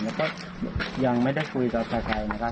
แล้วก็ยังไม่ได้คุยกับใครนะครับ